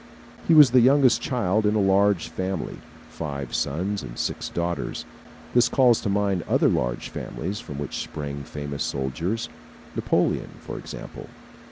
He was the youngest child in a large family, five sons and six daughters. This calls to mind other large families from which sprang famous soldiers Napoleon, for example.